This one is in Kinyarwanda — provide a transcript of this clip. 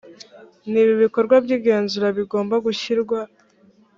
n ibi bikorwa by igenzura bigomba gushyirwa